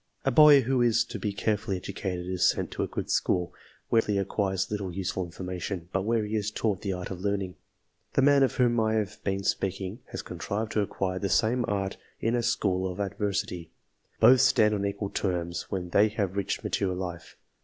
A boy who is to be carefully educated is sent to a good school, where he confessedly acquires little useful information, but where he is taught the art of learning. The man of whom I have been speaking has contrived to acquire the same art in a school of adversity. Both stand on equal terms, when they have reached mature life.